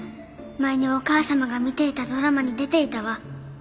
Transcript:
前にお母様が見ていたドラマに出ていたわ。